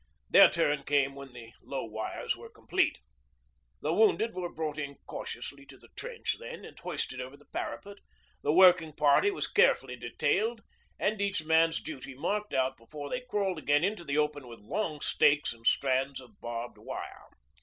Their turn came when the low wires were complete. The wounded were brought in cautiously to the trench then, and hoisted over the parapet; the working party was carefully detailed and each man's duty marked out before they crawled again into the open with long stakes and strands of barbed wire.